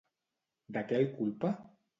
De què el culpa?